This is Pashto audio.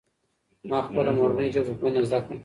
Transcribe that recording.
ما خپله مورنۍ ژبه په مینه زده کړه.